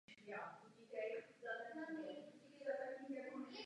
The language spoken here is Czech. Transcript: Chyba může být potenciálně využita k napadení miliónů serverů a jiných systémů.